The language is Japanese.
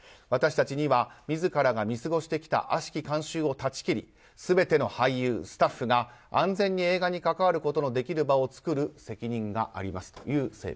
私たちには自らが見過ごしてきた悪しき習慣を断ち切り全ての俳優、スタッフが安全に映画に関わることのできる場を作る責任があります。